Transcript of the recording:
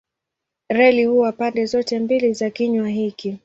Reli huwa pande zote mbili za kinywa hiki.